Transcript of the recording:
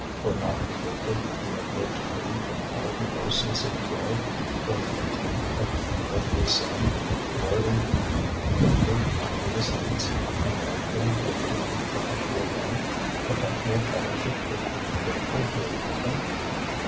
Were not the gifted, who had lived free from all the grossness of clay, from the taint of earthly sin, worthy to be numbered among the saints, and like them gifted with perpetual life, perpetual fellowship with the faithful who adored them?